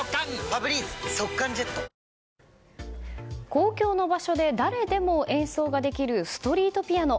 公共の場所で誰でも演奏ができるストリートピアノ。